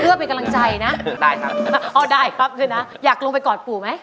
เดือบเป็นกำลังใจนะอ๋อได้ครับคลับขึ้นนะอยากลงไปกอดปู่ไหม